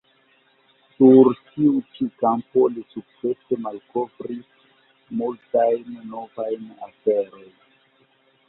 Sur tiu ĉi kampo li sukcese malkovris multajn novajn aferojn.